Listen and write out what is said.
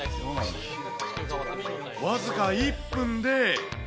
僅か１分で。